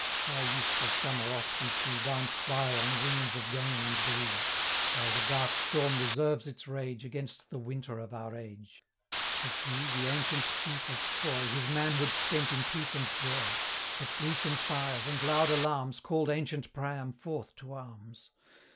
Our youthful summer oft we see Dance by on wings of game and glee, While the dark storm reserves its rage, 110 Against the winter of our age: As he, the ancient Chief of Troy, His manhood spent in peace and joy; But Grecian fires, and loud alarms, Call'd ancient Priam forth to arms.